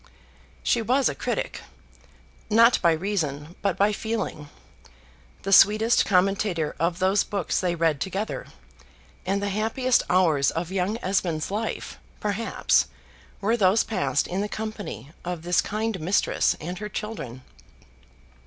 She was a critic, not by reason but by feeling; the sweetest commentator of those books they read together; and the happiest hours of young Esmond's life, perhaps, were those passed in the company of this kind mistress and her children.